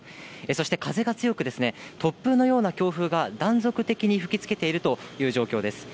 そして、風が強く、突風のような強風が断続的に吹きつけているという状況です。